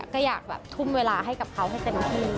ก็อยากแบบทุ่มเวลาให้กับเขาให้เต็มที่